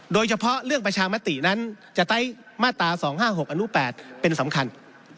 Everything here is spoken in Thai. โดยเฉพาะเรื่องประชามตินั้นจะไต้มาตรา๒๕๖อนุ๘เป็นสำคัญ